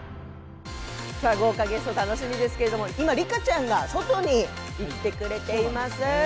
豪華ゲスト楽しみですけど今、梨花ちゃんが外に行ってくれています。